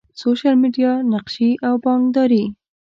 سوشل میډیا، نقشي او بانکداری